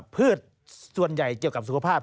พืชส่วนใหญ่เกี่ยวกับสุขภาพ